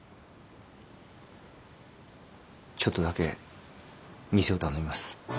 ちょっとだけ店を頼みます。